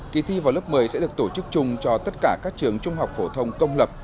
kỳ thi vào lớp một mươi sẽ được tổ chức chung cho tất cả các trường trung học phổ thông công lập